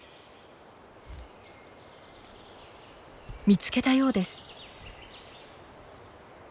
見つけたようです。